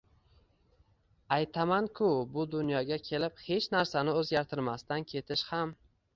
Aytaman-ku, bu dunyoga kelib hech narsani o‘zgartirmasdan ketish ham